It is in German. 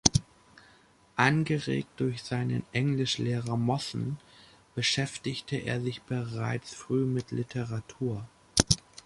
Angeregt durch seinen Englischlehrer Mawson beschäftigte er sich bereits früh mit Literatur.